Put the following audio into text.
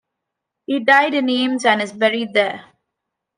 He died in Ames and is buried there.